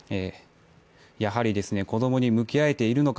やはり子供に向き合えているのか